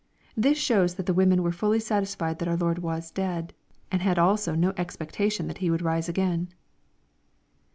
'] This shows that the wo men were fully satisfied that our Lord was dead, and had also no expectation that He would rise again.